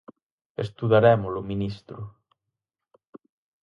Estudarémolo ministro.